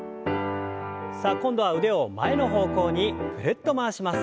さあ今度は腕を前の方向にぐるっと回します。